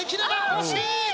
惜しい！